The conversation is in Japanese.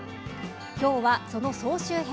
今日はその総集編。